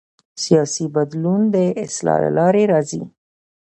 سیاسي بدلون د اصلاح له لارې راځي